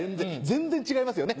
全然違いますよね